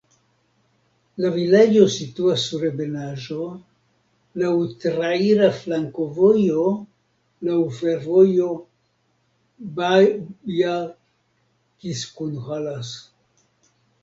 La vilaĝo situas sur ebenaĵo, laŭ traira flankovojo, laŭ fervojo Baja-Kiskunhalas.